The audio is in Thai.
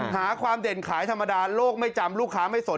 หาความเด่นขายธรรมดาโลกไม่จำลูกค้าไม่สน